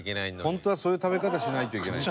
本当はそういう食べ方しないといけない。